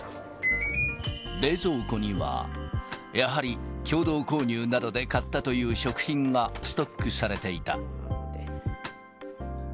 冷蔵庫には、やはり、共同購入などで買ったという食品がストックされていた。